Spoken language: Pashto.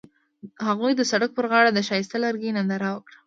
هغوی د سړک پر غاړه د ښایسته لرګی ننداره وکړه.